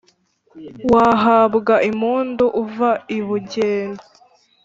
Wahabwa impundu uva i Bugenda